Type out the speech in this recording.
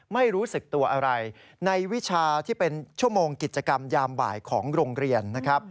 ไม่รู้สึกตัวอะไรในวิชาที่เป็นชั่วโมงกิจกรรมยามบ่ายของโรงเรียนนะครับ